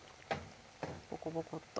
ボコボコッと。